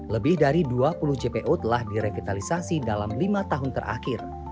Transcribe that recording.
lebih dari dua puluh jpo telah direvitalisasi dalam lima tahun terakhir